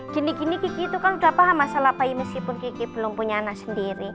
gini gini kiki itu kan udah paham masalah bayi meskipun kiki belum punya anak sendiri